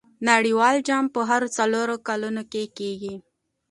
نړۍوال جام په هرو څلور کاله کښي کیږي.